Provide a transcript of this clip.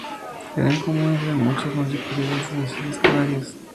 Eran comunes en muchas municipalidades de las Islas Canarias.